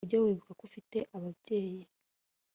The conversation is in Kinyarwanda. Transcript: ujye wibuka ko ufite ababyeyi?